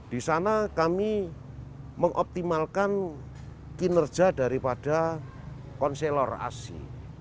di sana kami mengoptimalkan kinerja daripada konselor asi